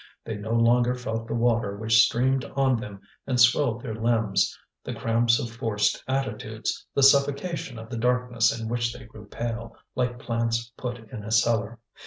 They no longer felt the water which streamed on them and swelled their limbs, the cramps of forced attitudes, the suffocation of the darkness in which they grew pale, like plants put in a cellar.